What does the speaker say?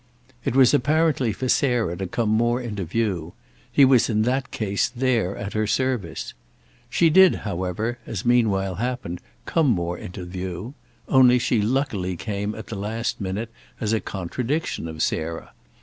It was apparently for Sarah to come more into view; he was in that case there at her service. She did however, as meanwhile happened, come more into view; only she luckily came at the last minute as a contradiction of Sarah.